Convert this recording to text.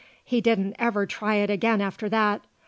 He didn't ever try it again after that.